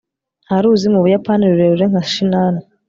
nta ruzi mu buyapani rurerure nka shinano